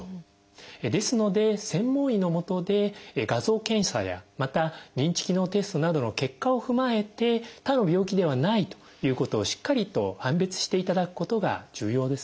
ですので専門医の下で画像検査やまた認知機能テストなどの結果を踏まえて他の病気ではないということをしっかりと判別していただくことが重要です。